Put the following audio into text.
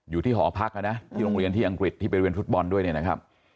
อยู่ที่หอพักนะที่โรงเรียนที่อังกฤษที่บริเวณฟุตบอลด้วยนะครับ